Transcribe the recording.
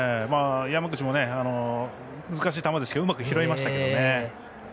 山口も難しい球でしたがうまく拾いました。